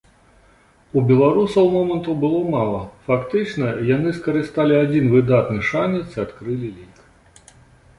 У беларусаў момантаў было мала, фактычна, яны скарысталі адзіны выдатны шанец і адкрылі лік.